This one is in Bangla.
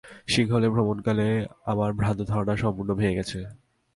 সিংহলে ভ্রমণকালে আমার ভ্রান্ত ধারণা সম্পূর্ণ ভেঙে গেছে।